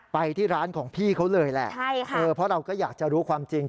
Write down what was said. ไปที่ร้านของพี่เขาเลยแหละใช่ค่ะเออเพราะเราก็อยากจะรู้ความจริง